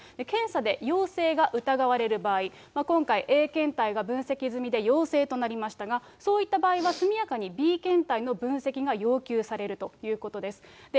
検査で陽性が疑われる場合、今回、Ａ検体が分析済みで陽性となりましたが、そういった場合は速やかにＢ検体の分析が要求されるということです。